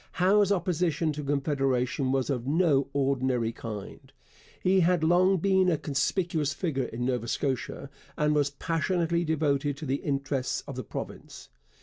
Howe's opposition to Confederation was of no ordinary kind. He had long been a conspicuous figure in Nova Scotia, and was passionately devoted to the interests of the province.